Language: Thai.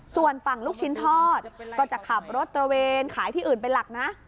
ส่วนฝั่งลูกชิ้นทอดก็จะขับรถตระเวนขายที่อื่นเป็นหลักนะ